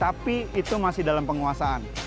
tapi itu masih dalam penguasaan